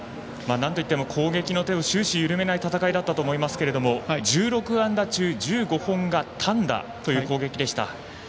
なんといっても攻撃の手を終始緩めない戦いだったと思いますけれども１６安打中１５本が単打という攻撃でした。